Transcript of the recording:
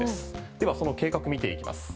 ではその計画見ていきます。